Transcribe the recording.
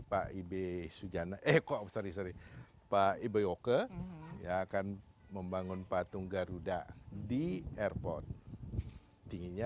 pak ibe sujana eh kok sorry sorry pak iboyoke ya akan membangun patung garuda di airport tingginya